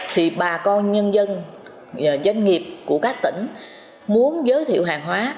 thì bà con nhân dân doanh nghiệp của các tỉnh muốn giới thiệu hàng hóa